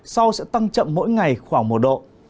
sau sẽ tăng chậm mỗi ngày khoảng một độ